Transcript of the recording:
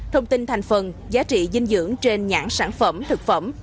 thông tin thành phần giá trị dinh dưỡng trên nhãn sản phẩm thực phẩm